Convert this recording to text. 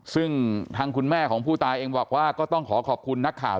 ซึ่งทางคุณแม่ของผู้ตายเองบอกว่าก็ต้องขอขอบคุณนักข่าว